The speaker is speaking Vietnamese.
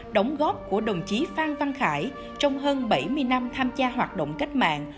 đóng góp của đồng chí phan văn khải trong hơn bảy mươi năm tham gia hoạt động cách mạng